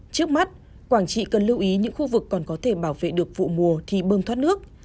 trước mắt quảng trị cần lưu ý những khu vực còn có thể bảo vệ được vụ mùa thì bơm thoát nước